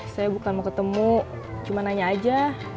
saya bukan mau ketemu cuma nanya aja